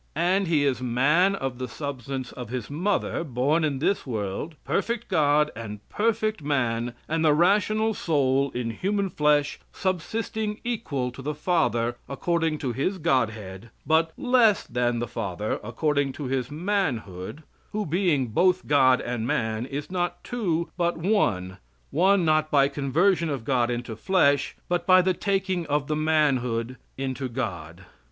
"And He is man of the substance of His mother, born in this world, perfect God and perfect man, and the rational soul in human flesh subsisting equal to the Father according to His Godhead, but less than the Father, according to His manhood, who being both God and man is not two but one one not by conversion of God into flesh but by the taking of the manhood into God."